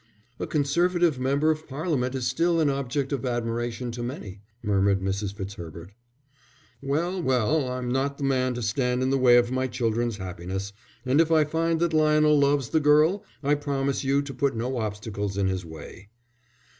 "A Conservative member of Parliament is still an object of admiration to many," murmured Mrs. Fitzherbert. "Well, well, I'm not the man to stand in the way of my children's happiness, and if I find that Lionel loves the girl, I promise you to put no obstacle in his way."